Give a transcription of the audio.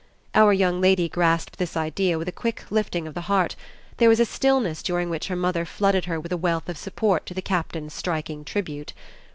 Our young lady grasped this idea with a quick lifting of the heart; there was a stillness during which her mother flooded her with a wealth of support to the Captain's striking tribute.